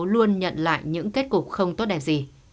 luôn nhận lại những kết cục không tốt đẹp gì